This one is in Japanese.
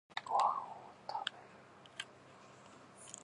ご飯を食べる